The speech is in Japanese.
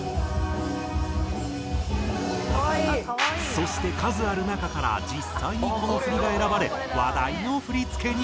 そして数ある中から実際にこの振りが選ばれ話題の振付に。